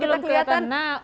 belum belum kelihatan nak